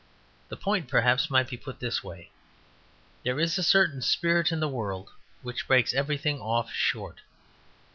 The points perhaps might be put in this way. There is a certain spirit in the world which breaks everything off short.